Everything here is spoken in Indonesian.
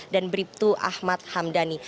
dan bribtu ahmad hamdani